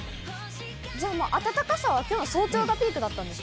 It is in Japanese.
じゃあ、まあ、暖かさは、きょう早朝がピークだったんですか？